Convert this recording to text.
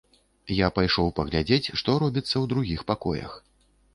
Я пайшоў паглядзець, што робіцца ў другіх пакоях.